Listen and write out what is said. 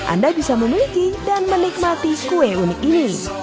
anda bisa memiliki dan menikmati kue unik ini